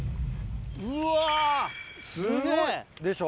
うわすごい。でしょ。